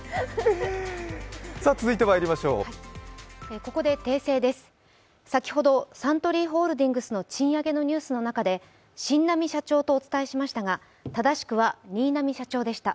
ここで訂正です、先ほどサントリーホールディングスの賃上げのニュースの中でしんなみ社長とお伝えしましたが、正しくはにいなみ社長でした。